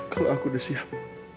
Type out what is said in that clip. kalau aku udah siap